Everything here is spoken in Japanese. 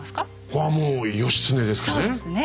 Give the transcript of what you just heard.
これはもう義経ですかね。